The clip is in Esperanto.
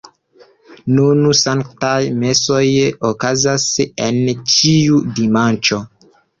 Nun sanktaj mesoj okazas en ĉiu dimanĉo.